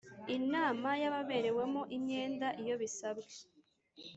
Inama y ababerewemo imyenda iyo bisabwe